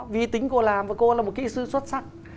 vì tính cô làm và cô là một kỹ sư xuất sắc